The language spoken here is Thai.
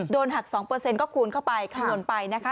โดนหัก๒ก็คูณเข้าไปคำนวณไปนะคะ